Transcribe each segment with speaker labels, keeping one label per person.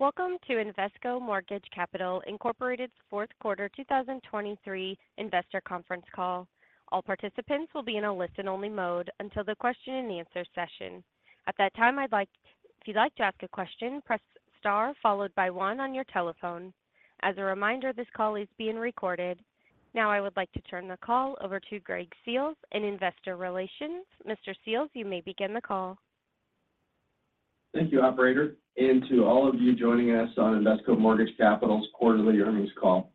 Speaker 1: Welcome to Invesco Mortgage Capital Incorporated's Q4 2023 investor conference call. All participants will be in a listen-only mode until the question and answer session. At that time, if you'd like to ask a question, press Star followed by one on your telephone. As a reminder, this call is being recorded. Now, I would like to turn the call over to Greg Seals in Investor Relations. Mr. Seals, you may begin the call.
Speaker 2: Thank you, operator, and to all of you joining us on Invesco Mortgage Capital's quarterly earnings call.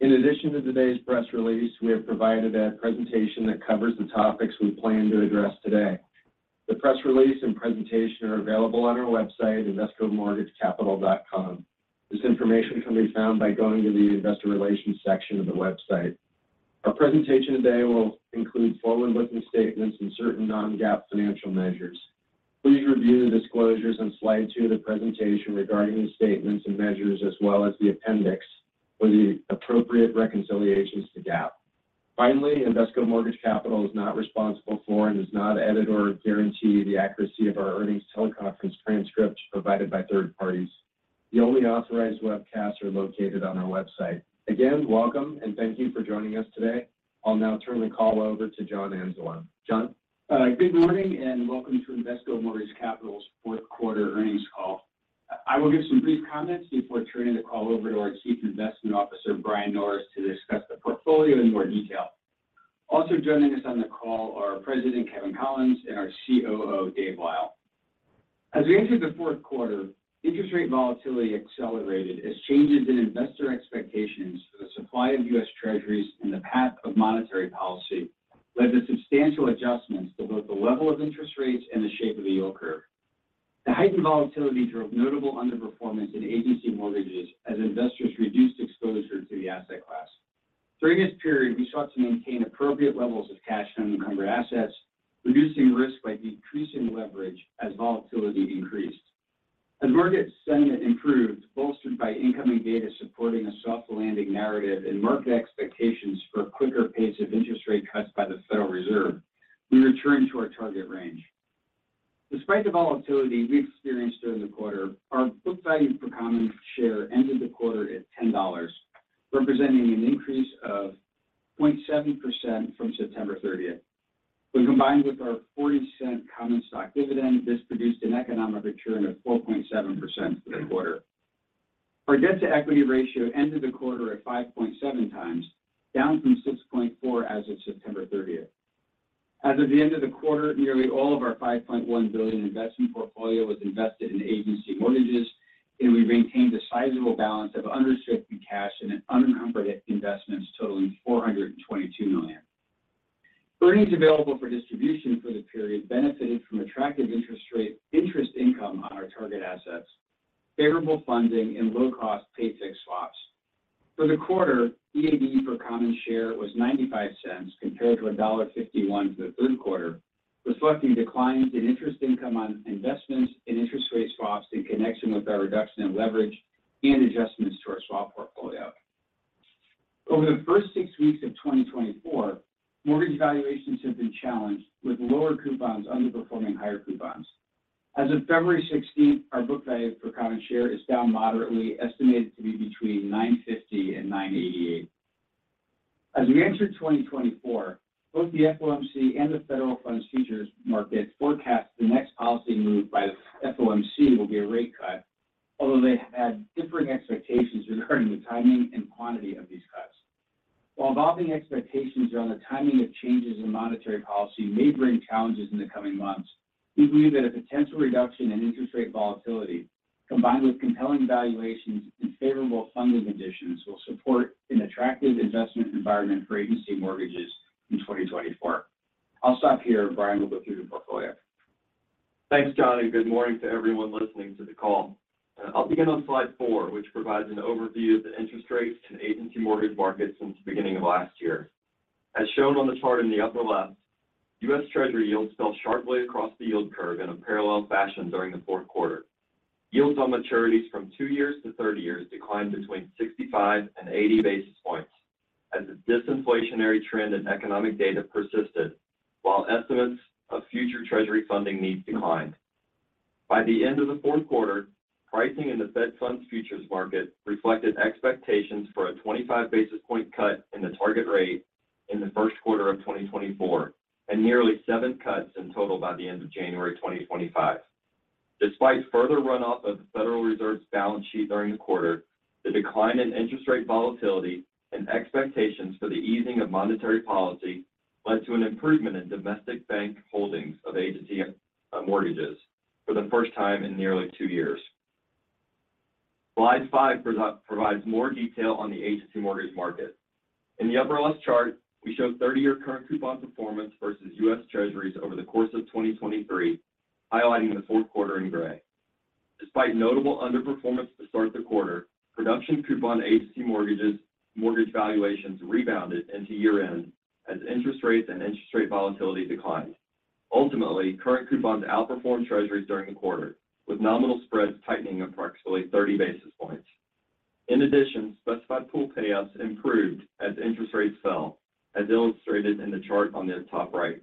Speaker 2: In addition to today's press release, we have provided a presentation that covers the topics we plan to address today. The press release and presentation are available on our website, investcomortgagecapital.com. This information can be found by going to the Investor Relations section of the website. Our presentation today will include forward-looking statements and certain non-GAAP financial measures. Please review the disclosures on slide two of the presentation regarding the statements and measures, as well as the appendix for the appropriate reconciliations to GAAP. Finally, Invesco Mortgage Capital is not responsible for and does not edit or guarantee the accuracy of our earnings teleconference transcript provided by third parties. The only authorized webcasts are located on our website. Again, welcome, and thank you for joining us today. I'll now turn the call over to John Anzalone. John?
Speaker 3: Good morning, and welcome to Invesco Mortgage Capital's Q4 earnings call. I will give some brief comments before turning the call over to our Chief Investment Officer, Brian Norris, to discuss the portfolio in more detail. Also joining us on the call are President Kevin Collins and our COO, Dave Lyle. As we entered the Q4, interest rate volatility accelerated as changes in investor expectations for the supply of U.S. Treasuries and the path of monetary policy led to substantial adjustments to both the level of interest rates and the shape of the yield curve. The heightened volatility drove notable underperformance in agency mortgages as investors reduced exposure to the asset class. During this period, we sought to maintain appropriate levels of cash and unencumbered assets, reducing risk by decreasing leverage as volatility increased. As market sentiment improved, bolstered by incoming data supporting a soft landing narrative and market expectations for a quicker pace of interest rate cuts by the Federal Reserve, we returned to our target range. Despite the volatility we experienced during the quarter, our book value per common share ended the quarter at $10, representing an increase of 0.7% from September 30. When combined with our $0.40 common stock dividend, this produced an economic return of 4.7% for the quarter. Our debt-to-equity ratio ended the quarter at 5.7 times, down from 6.4 as of September 30. As of the end of the quarter, nearly all of our $5.1 billion investment portfolio was invested in agency mortgages, and we maintained a sizable balance of unrestricted cash and unencumbered investments totaling $422 million. Earnings available for distribution for the period benefited from attractive interest rate interest income on our target assets, favorable funding and low-cost pay-fixed swaps. For the quarter, EAD per common share was $0.95, compared to $1.51 for the Q3, reflecting declines in interest income on investments and interest rate swaps in connection with our reduction in leverage and adjustments to our swap portfolio. Over the first six weeks of 2024, mortgage valuations have been challenged, with lower coupons underperforming higher coupons. As of February sixteenth, our book value per common share is down moderately, estimated to be between $9.50 and $9.88. As we enter 2024, both the FOMC and the federal funds futures markets forecast the next policy move by the FOMC will be a rate cut, although they have had differing expectations regarding the timing and quantity of these cuts. While evolving expectations around the timing of changes in monetary policy may bring challenges in the coming months, we believe that a potential reduction in interest rate volatility, combined with compelling valuations and favorable funding conditions, will support an attractive investment environment for agency mortgages in 2024. I'll stop here. Brian will go through the portfolio.
Speaker 2: Thanks, John, and good morning to everyone listening to the call. I'll begin on slide 4, which provides an overview of the interest rates and agency mortgage market since the beginning of last year. As shown on the chart in the upper left, U.S. Treasury yields fell sharply across the yield curve in a parallel fashion during the Q4. Yields on maturities from 2 years to 30 years declined between 65 and 80 basis points as the disinflationary trend in economic data persisted, while estimates of future Treasury funding needs declined. By the end of the Q4, pricing in the Fed Funds futures market reflected expectations for a 25 basis point cut in the target rate in the Q1 of 2024, and nearly 7 cuts in total by the end of January 2025. Despite further run-up of the Federal Reserve's balance sheet during the quarter, the decline in interest rate volatility and expectations for the easing of monetary policy led to an improvement in domestic bank holdings of agency mortgages for the first time in nearly two years. Slide 5 provides more detail on the agency mortgage market. In the upper left chart, we show 30-year current coupon performance versus U.S. Treasuries over the course of 2023, highlighting the Q4 in gray. Despite notable underperformance to start the quarter, production coupon agency mortgages, mortgage valuations rebounded into year-end as interest rates and interest rate volatility declined. Ultimately, current coupons outperformed Treasuries during the quarter, with nominal spreads tightening approximately 30 basis points. In addition, specified pool payoffs improved as interest rates fell, as illustrated in the chart on the top right....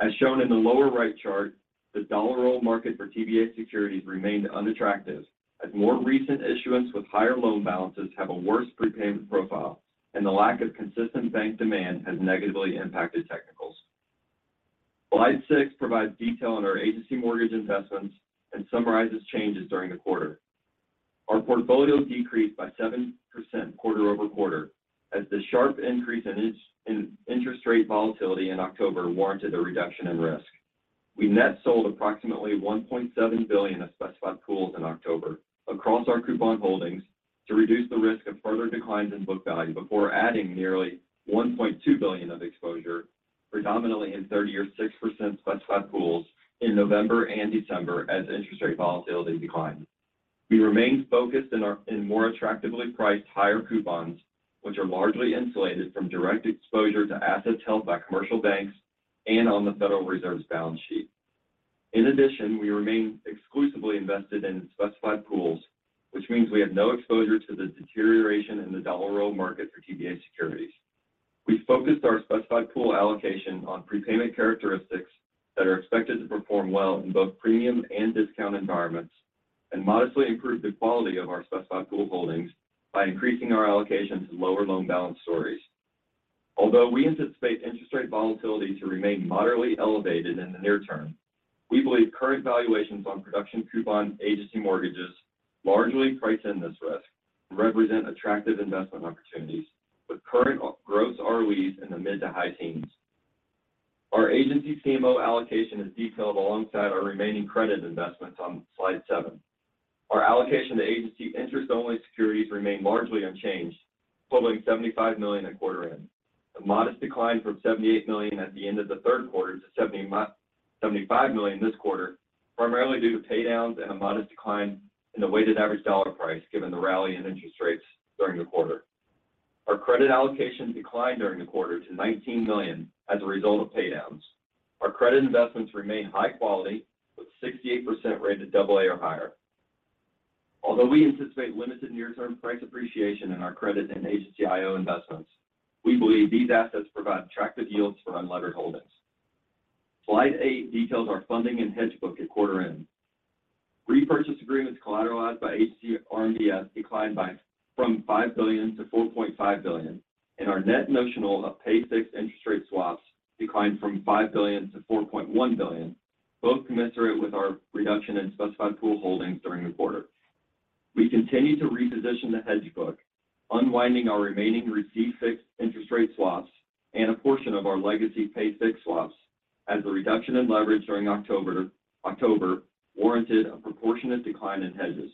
Speaker 2: As shown in the lower right chart, the Dollar Roll market for TBA securities remained unattractive, as more recent issuance with higher loan balances have a worse prepayment profile, and the lack of consistent bank demand has negatively impacted technicals. Slide 6 provides detail on our Agency Mortgage investments and summarizes changes during the quarter. Our portfolio decreased by 7% quarter-over-quarter, as the sharp increase in in interest rate volatility in October warranted a reduction in risk. We net sold approximately $1.7 billion of Specified pools in October across our coupon holdings to reduce the risk of further declines in Book Value, before adding nearly $1.2 billion of exposure, predominantly in 30 or 6 percent Specified pools in November and December as interest rate volatility declined. We remained focused in more attractively priced higher coupons, which are largely insulated from direct exposure to assets held by commercial banks and on the Federal Reserve's balance sheet. In addition, we remain exclusively invested in specified pools, which means we have no exposure to the deterioration in the dollar roll market for TBA securities. We focused our specified pool allocation on prepayment characteristics that are expected to perform well in both premium and discount environments, and modestly improved the quality of our specified pool holdings by increasing our allocations to lower loan balance stories. Although we anticipate interest rate volatility to remain moderately elevated in the near term, we believe current valuations on production coupon agency mortgages largely price in this risk and represent attractive investment opportunities, with current gross ROEs in the mid to high teens. Our Agency CMO allocation is detailed alongside our remaining credit investments on slide seven. Our allocation to agency interest-only securities remained largely unchanged, totaling $75 million at quarter end. A modest decline from $78 million at the end of the Q3 to $75 million this quarter, primarily due to pay downs and a modest decline in the weighted average dollar price, given the rally in interest rates during the quarter. Our credit allocation declined during the quarter to $19 million as a result of pay downs. Our credit investments remain high quality, with 68% rated double A or higher. Although we anticipate limited near-term price appreciation in our credit and Agency IO investments, we believe these assets provide attractive yields for unlevered holdings. Slide eight details our funding and hedge book at quarter end. Repurchase agreements collateralized by Agency RMBS declined by from $5 billion to $4.5 billion, and our net notional of pay fixed interest rate swaps declined from $5 billion to $4.1 billion, both commensurate with our reduction in specified pool holdings during the quarter. We continue to reposition the hedge book, unwinding our remaining receive fixed interest rate swaps and a portion of our legacy pay fixed swaps as the reduction in leverage during October warranted a proportionate decline in hedges.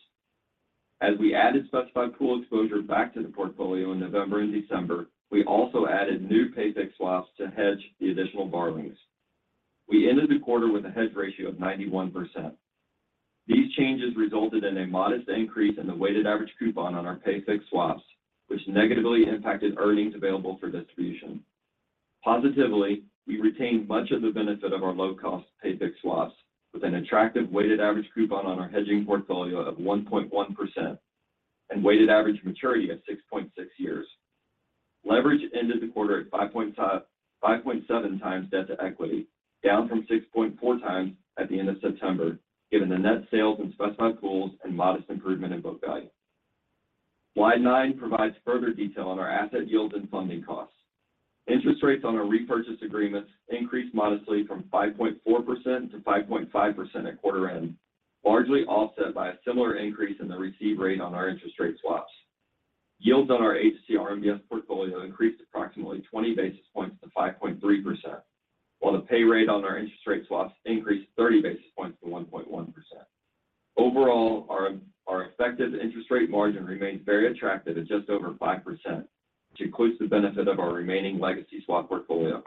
Speaker 2: As we added specified pool exposure back to the portfolio in November and December, we also added new pay fixed swaps to hedge the additional borrowings. We ended the quarter with a hedge ratio of 91%. These changes resulted in a modest increase in the weighted average coupon on our pay fixed swaps, which negatively impacted earnings available for distribution. Positively, we retained much of the benefit of our low-cost pay fixed swaps, with an attractive weighted average coupon on our hedging portfolio of 1.1% and weighted average maturity of 6.6 years. Leverage ended the quarter at 5.5-5.7 times debt to equity, down from 6.4 times at the end of September, given the net sales in specified pools and modest improvement in book value. Slide 9 provides further detail on our asset yields and funding costs. Interest rates on our repurchase agreements increased modestly from 5.4% to 5.5% at quarter end, largely offset by a similar increase in the receive rate on our interest rate swaps. Yields on our Agency RMBS portfolio increased approximately 20 basis points to 5.3%, while the pay rate on our interest rate swaps increased 30 basis points to 1.1%. Overall, our effective interest rate margin remains very attractive at just over 5%, which includes the benefit of our remaining legacy swap portfolio.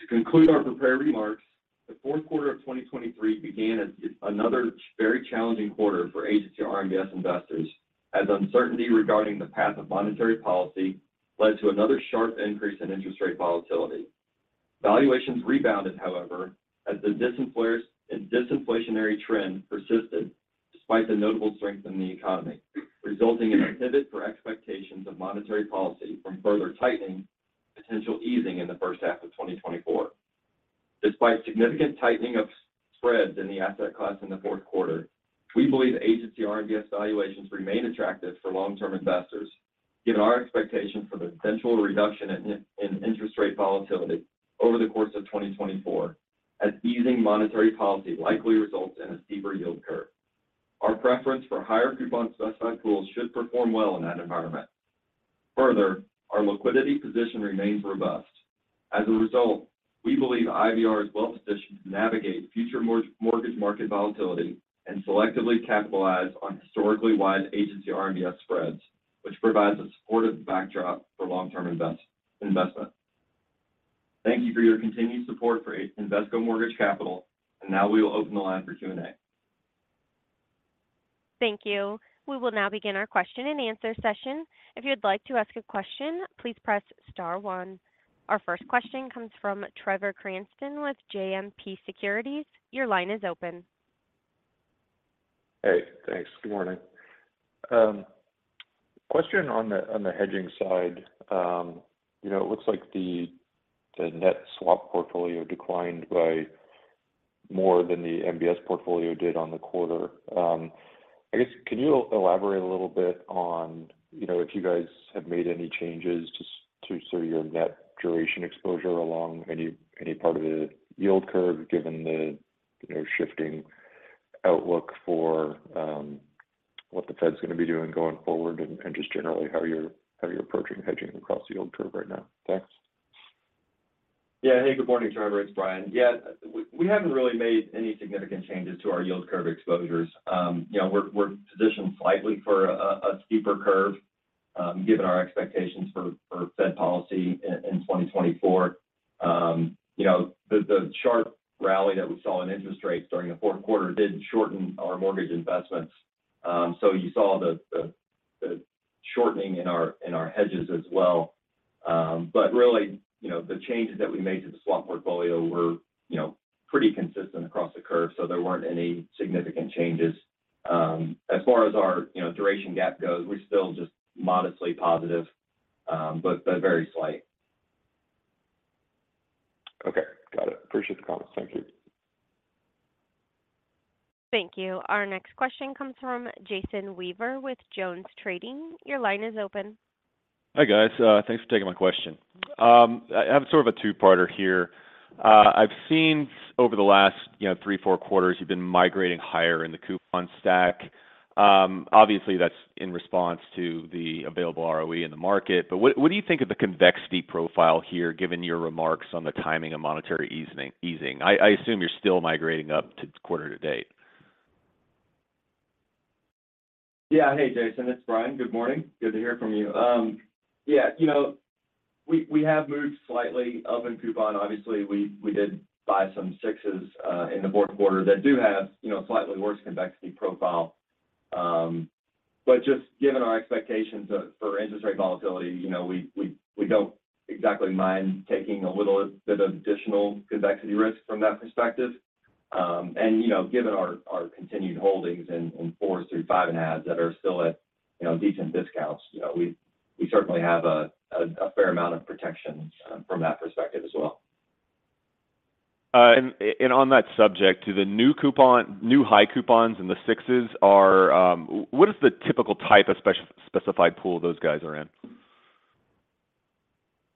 Speaker 2: To conclude our prepared remarks, the Q4 of 2023 began as another very challenging quarter for Agency RMBS investors, as uncertainty regarding the path of monetary policy led to another sharp increase in interest rate volatility. Valuations rebounded, however, as the disinflationary trend persisted despite the notable strength in the economy, resulting in a pivot for expectations of monetary policy from further tightening to potential easing in the H1 of 2024. Despite significant tightening of spreads in the asset class in the Q4, we believe agency RMBS valuations remain attractive for long-term investors, given our expectation for the potential reduction in interest rate volatility over the course of 2024, as easing monetary policy likely results in a steeper yield curve. Our preference for higher coupon specified pools should perform well in that environment. Further, our liquidity position remains robust. As a result, we believe IVR is well positioned to navigate future mortgage market volatility and selectively capitalize on historically wide agency RMBS spreads, which provides a supportive backdrop for long-term investment. Thank you for your continued support for Invesco Mortgage Capital, and now we will open the line for Q&A.
Speaker 1: Thank you. We will now begin our Q&A session. If you'd like to ask a question, please press star one. Our first question comes from Trevor Cranston with JMP Securities. Your line is open....
Speaker 4: Hey, thanks. Good morning. Question on the, on the hedging side. You know, it looks like the, the net swap portfolio declined by more than the MBS portfolio did on the quarter. I guess, can you elaborate a little bit on, you know, if you guys have made any changes just to sort of your net duration exposure along any, any part of the yield curve, given the, you know, shifting outlook for what the Fed's going to be doing going forward, and, and just generally, how you're, how you're approaching hedging across the yield curve right now? Thanks.
Speaker 2: Yeah. Hey, good morning, Trevor. It's Brian. Yeah, we haven't really made any significant changes to our yield curve exposures. You know, we're positioned slightly for a steeper curve, given our expectations for Fed policy in 2024. You know, the sharp rally that we saw in interest rates during the Q4 did shorten our mortgage investments. So you saw the shortening in our hedges as well. But really, you know, the changes that we made to the swap portfolio were pretty consistent across the curve, so there weren't any significant changes. As far as our duration gap goes, we're still just modestly positive, but very slight.
Speaker 4: Okay. Got it. Appreciate the comments. Thank you.
Speaker 1: Thank you. Our next question comes from Jason Weaver with JonesTrading. Your line is open.
Speaker 5: Hi, guys. Thanks for taking my question. I have sort of a 2-parter here. I've seen over the last, you know, 3, 4 quarters, you've been migrating higher in the coupon stack. Obviously, that's in response to the available ROE in the market, but what, what do you think of the convexity profile here, given your remarks on the timing of monetary easing, easing? I, I assume you're still migrating up to quarter to date.
Speaker 2: Yeah. Hey, Jason, it's Brian. Good morning. Good to hear from you. Yeah, you know, we, we have moved slightly up in coupon. Obviously, we, we did buy some 6s, in the Q4 that do have, you know, slightly worse convexity profile. But just given our expectations for interest rate volatility, you know, we, we, we don't exactly mind taking a little bit of additional convexity risk from that perspective. And, you know, given our, our continued holdings in, in 4 through 5.5 that are still at, you know, decent discounts, you know, we, we certainly have a, a fair amount of protection, from that perspective as well.
Speaker 5: And on that subject, to the new coupon, new high coupons and the sixes are, what is the typical type of specified pool those guys are in?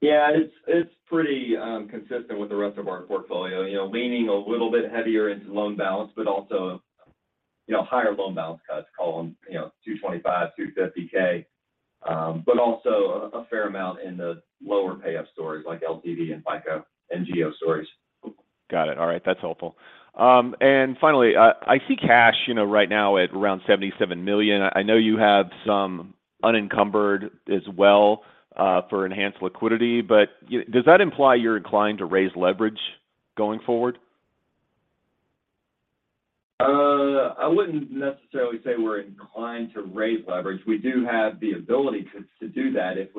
Speaker 2: Yeah, it's, it's pretty consistent with the rest of our portfolio. You know, leaning a little bit heavier into loan balance, but also, you know, higher loan balance cuts, call them, you know, $225-$250K. But also a fair amount in the lower payoff stores like LTV and FICO and Geo stores.
Speaker 5: Got it. All right. That's helpful. And finally, I see cash, you know, right now at around $77 million. I know you have some unencumbered as well, for enhanced liquidity, but does that imply you're inclined to raise leverage going forward?
Speaker 2: I wouldn't necessarily say we're inclined to raise leverage. We do have the ability to do that if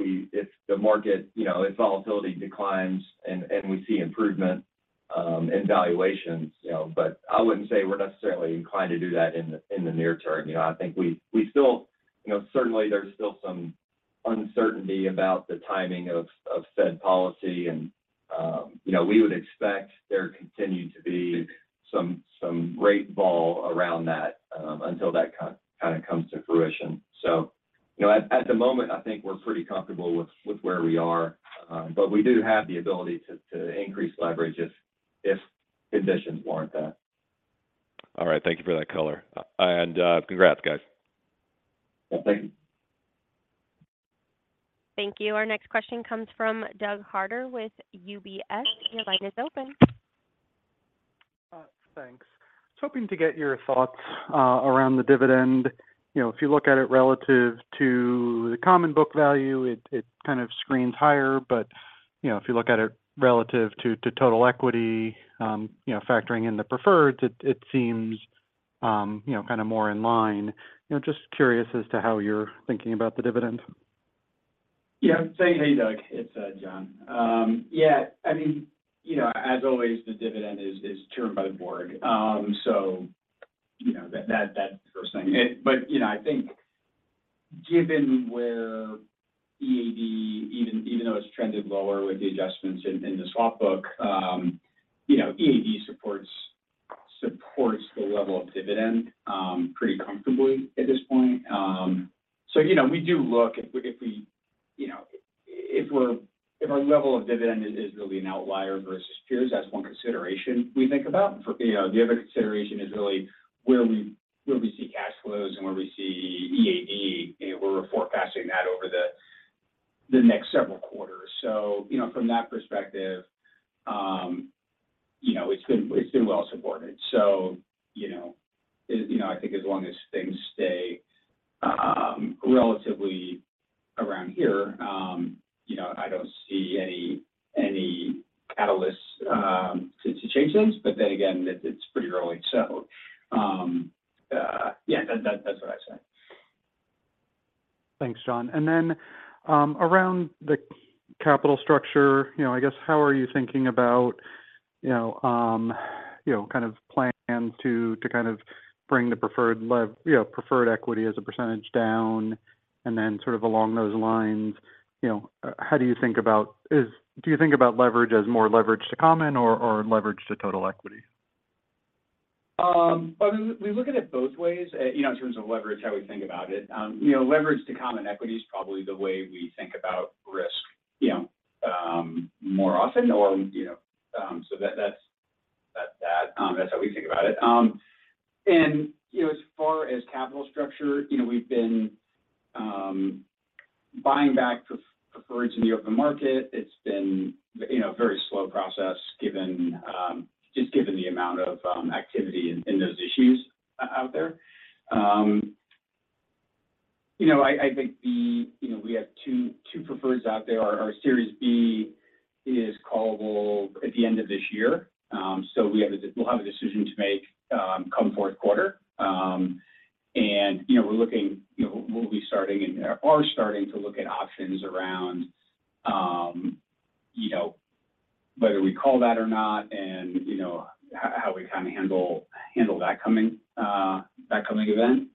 Speaker 2: the market, you know, if volatility declines and we see improvement in valuations, you know. But I wouldn't say we're necessarily inclined to do that in the near term. You know, I think we still- you know, certainly there's still some uncertainty about the timing of Fed policy, and, you know, we would expect there continue to be some rate vol around that until that kind of comes to fruition. So, you know, at the moment, I think we're pretty comfortable with where we are, but we do have the ability to increase leverage if conditions warrant that.
Speaker 5: All right. Thank you for that color. Congrats, guys.
Speaker 2: Well, thank you.
Speaker 1: Thank you. Our next question comes from Douglas Harter with UBS. Your line is open.
Speaker 6: Thanks. I was hoping to get your thoughts around the dividend. You know, if you look at it relative to the common book value, it kind of screens higher. But, you know, if you look at it relative to total equity, you know, factoring in the preferred, it seems, you know, kind of more in line. You know, just curious as to how you're thinking about the dividend.
Speaker 2: Yeah. Hey, Doug, it's John. Yeah, I mean, you know, as always, the dividend is chaired by the board. So you know, that, that's the first thing. But, you know, I think given where EAD, even though it's trended lower with the adjustments in the swap book, you know, EAD supports the level of dividend pretty comfortably at this point. So, you know, we do look if our level of dividend is really an outlier versus peers, that's one consideration we think about. For, you know, the other consideration is really where we see cash flows and where we see EAD, and we're forecasting that over the next several quarters. So, you know, from that perspective, you know, it's been well supported. So, you know, you know, I think as long as things stay relatively around here, you know, I don't see any catalyst to change things. But then again, it's pretty early. So, yeah, that's what I say....
Speaker 6: Thanks, John. And then, around the capital structure, you know, I guess, how are you thinking about, you know, you know, kind of plans to, to kind of bring the preferred you know, preferred equity as a percentage down? And then sort of along those lines, you know, how do you think about do you think about leverage as more leverage to common or, or leverage to total equity?
Speaker 3: Well, we look at it both ways, you know, in terms of leverage, how we think about it. You know, leverage to common equity is probably the way we think about risk, you know, more often or, you know, so that's that, that's how we think about it. And, you know, as far as capital structure, you know, we've been buying back preferreds in the open market. It's been, you know, a very slow process, given just the amount of activity in those issues out there. You know, I think, you know, we have two preferreds out there. Our Series B is callable at the end of this year. So we'll have a decision to make, come Q4. And, you know, we're looking, you know, we'll be starting and are starting to look at options around, you know, whether we call that or not, and, you know, how we kind of handle that coming event.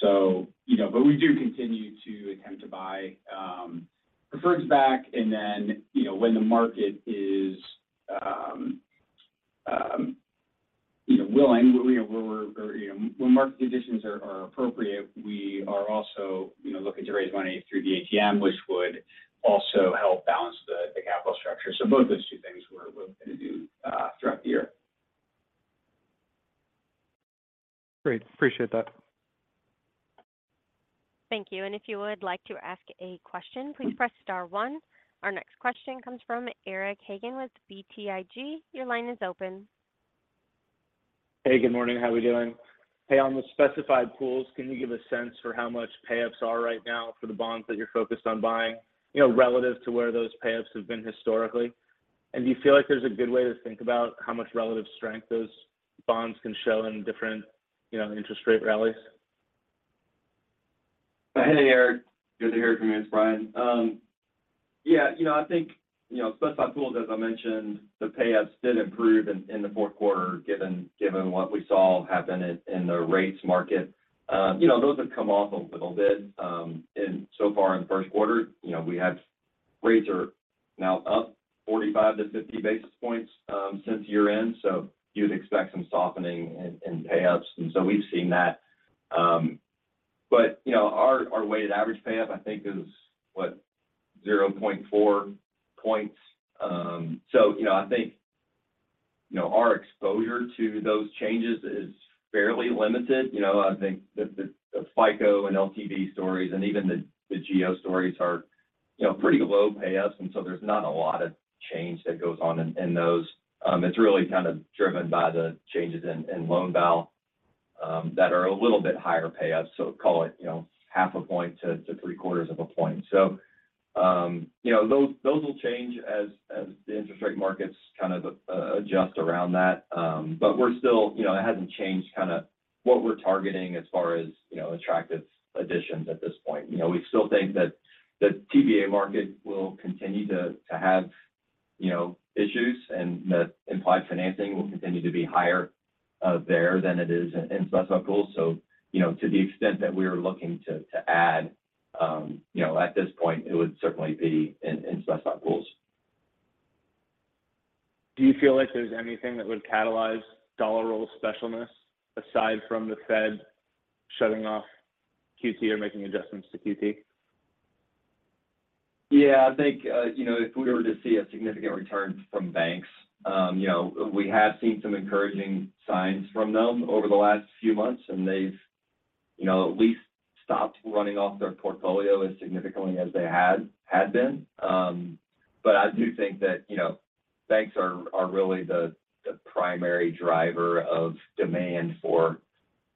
Speaker 3: So, you know, but we do continue to attempt to buy preferreds back, and then, you know, when the market is willing, when we're, you know, when market conditions are appropriate, we are also, you know, looking to raise money through the ATM, which would also help balance the capital structure. So both those two things we're looking to do throughout the year.
Speaker 6: Great. Appreciate that.
Speaker 1: Thank you, and if you would like to ask a question, please press star one. Our next question comes from Eric Hagen with BTIG. Your line is open.
Speaker 7: Hey, good morning. How we doing? Hey, on the Specified Pools, can you give a sense for how much payoffs are right now for the bonds that you're focused on buying, you know, relative to where those payoffs have been historically? And do you feel like there's a good way to think about how much relative strength those bonds can show in different, you know, interest rate rallies?
Speaker 2: Hey, Eric, good to hear from you. It's Brian. Yeah, you know, I think, you know, Specified Pools, as I mentioned, the payoffs did improve in the Q4, given what we saw happen in the rates market. You know, those have come off a little bit so far in the Q1. You know, rates are now up 45-50 basis points since year-end, so you'd expect some softening in payoffs, and so we've seen that. But, you know, our weighted average payoff, I think, is, what? 0.4 points. So, you know, I think, you know, our exposure to those changes is fairly limited. You know, I think the FICO and LTV stories, and even the Geo stories are, you know, pretty low payoffs, and so there's not a lot of change that goes on in those. It's really kind of driven by the changes in loan bal that are a little bit higher payoffs, so call it, you know, 0.5 point-0.75 point. So, you know, those will change as the interest rate markets kind of adjust around that. But we're still... You know, it hasn't changed kind of what we're targeting as far as, you know, attractive additions at this point. You know, we still think that the TBA market will continue to have, you know, issues and that implied financing will continue to be higher there than it is in specified pools. So, you know, to the extent that we are looking to add, you know, at this point, it would certainly be in specified pools.
Speaker 7: Do you feel like there's anything that would catalyze Dollar Roll specialness aside from the Fed shutting off QT or making adjustments to QT?
Speaker 2: Yeah, I think, you know, if we were to see a significant return from banks, you know, we have seen some encouraging signs from them over the last few months, and they've, you know, at least stopped running off their portfolio as significantly as they had been. But I do think that, you know, banks are really the primary driver of demand for,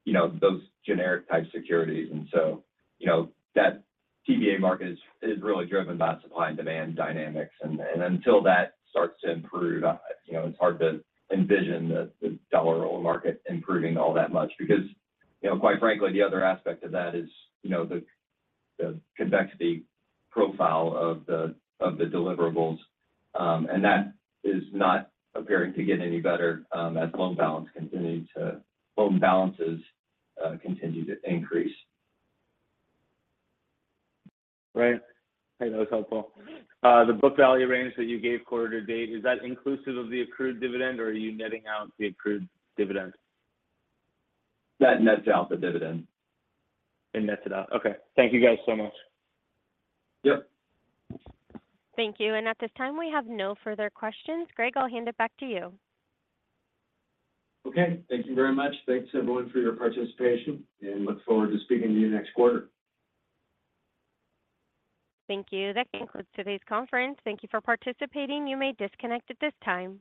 Speaker 2: you know, those generic-type securities. So, you know, that TBA market is really driven by supply and demand dynamics, and until that starts to improve, you know, it's hard to envision the dollar roll market improving all that much because, you know, quite frankly, the other aspect of that is, you know, the convexity profile of the deliverables, and that is not appearing to get any better, as loan balances continue to increase.
Speaker 7: Right. Hey, that was helpful. The book value range that you gave quarter to date, is that inclusive of the accrued dividend, or are you netting out the accrued dividend?
Speaker 2: That nets out the dividend.
Speaker 7: It nets it out. Okay. Thank you guys so much.
Speaker 2: Yep.
Speaker 1: Thank you. At this time, we have no further questions. Greg, I'll hand it back to you.
Speaker 8: Okay. Thank you very much. Thanks, everyone, for your participation, and look forward to speaking to you next quarter.
Speaker 1: Thank you. That concludes today's conference. Thank you for participating. You may disconnect at this time.